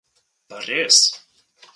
Pa res.